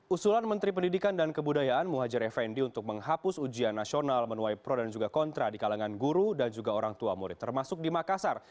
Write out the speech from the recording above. usulan menteri pendidikan dan kebudayaan muhajir effendi untuk menghapus ujian nasional menuai pro dan juga kontra di kalangan guru dan juga orang tua murid termasuk di makassar